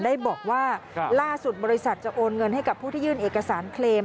ได้บอกว่าล่าสุดบริษัทจะโอนเงินให้กับผู้ที่ยื่นเอกสารเคลม